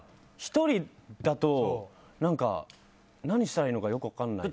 １人だと何したらいいのかよく分からない。